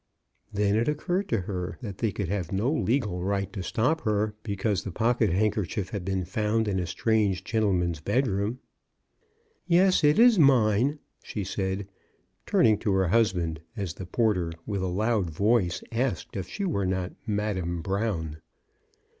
Then it occurred to her that they could have no legal right to stop her because the pocket handkerchief had been found in a strange gentleman's bedroom. Yes, it is mine," she said, turning to her husband, as the porter, with a loud voice, asked if she were not Madame Brown.